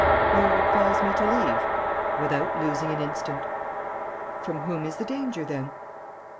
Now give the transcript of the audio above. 'You advise me to leave?' 'Without losing an instant.' 'From whom is the danger then?'